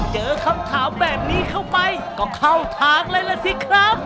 เจอคำถามแบบนี้เข้าไปก็เข้าทางเลยล่ะสิครับ